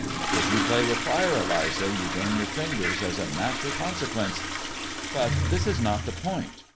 " K you play with fire, Eliza, you burn your fingers as a natural consequence. But this is not the point.